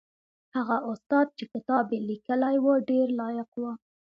هغه استاد چې کتاب یې لیکلی و ډېر لایق و.